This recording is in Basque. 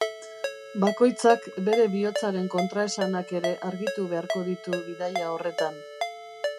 Bakoitzak bere bihotzaren kontraesanak ere argitu beharko ditu bidaia horretan.